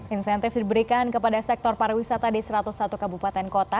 insentif diberikan kepada sektor pariwisata di satu ratus satu kabupaten kota